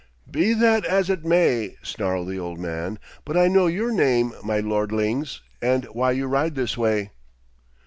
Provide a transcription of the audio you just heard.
'Be that as it may,' snarled the old man, 'but I know your name, my lordlings, and why you ride this way.'